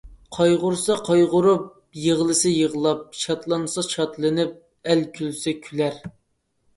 قايغۇرسا قايغۇرۇپ، يىغلىسا يىغلاپ، شادلانسا شادلىنىپ، ئەل كۈلسە كۈلەر.